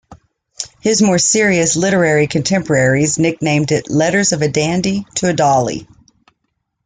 His more serious literary contemporaries nicknamed it Letters of a Dandy to a Dolly.